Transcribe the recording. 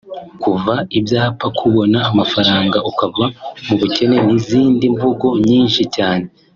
kuva ibyapa(kubona amafaranga ukava mu bukene) n’izindi mvugo nyinshi cyane